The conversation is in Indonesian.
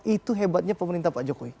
itu hebatnya pemerintah pak jokowi